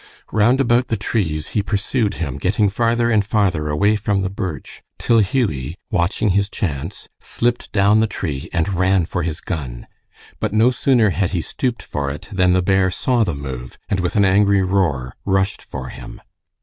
Round about the trees he pursued him, getting farther and farther away from the birch, till Hughie, watching his chance, slipped down the tree and ran for his gun. But no sooner had he stooped for it than the bear saw the move, and with an angry roar rushed for him.